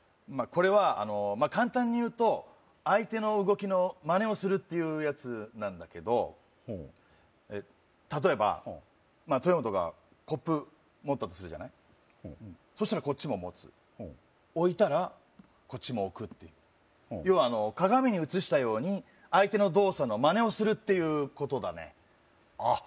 これは簡単に言うと相手の動きのまねをするっていうやつなんだけどほう例えばまあ豊本がコップ持ったとするじゃないほうそしたらこっちも持つほう置いたらこっちも置くっていうほうようは鏡に映したように相手の動作のまねをするっていうことだねあっ